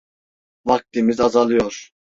Vaktimiz azalıyor.